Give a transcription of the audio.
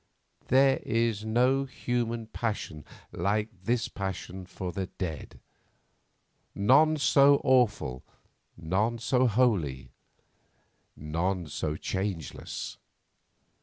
There is no human passion like this passion for the dead; none so awful, none so holy, none so changeless.